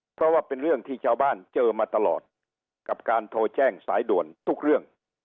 เพราะว่าเป็นเรื่องที่ชาวบ้านเจอมาตลอดกับการโทรแจ้งสายด่วนทุกเรื่อง